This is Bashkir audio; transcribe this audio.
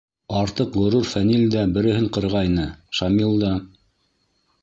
Артыҡ ғорур Фәнил дә береһен ҡырғайны, Шамил да.